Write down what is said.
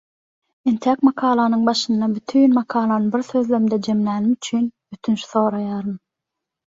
Entäk makalanyň başynda bütin makalany bir sözlemde jemlänim üçin ötünç soraýaryn.